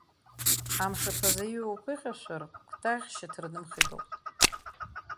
Амшаԥаз аиуа уԥыхьашәар, кәтаӷь шьаҭыр нымхеит ауп.